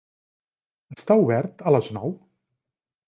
Està obert a les nou?